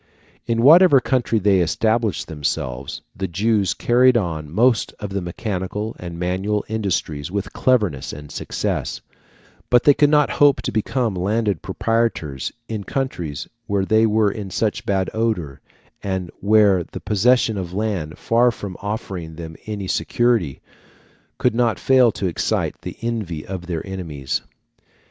In whatever country they established themselves, the Jews carried on most of the mechanical and manual industries with cleverness and success; but they could not hope to become landed proprietors in countries where they were in such bad odour, and where the possession of land, far from offering them any security, could not fail to excite the envy of their enemies.